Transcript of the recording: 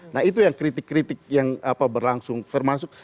nah itu yang kritik kritik yang berlangsung termasuk